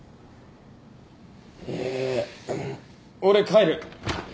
えー俺帰る。